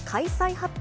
発表